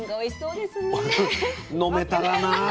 飲めたらな。